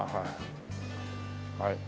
はい。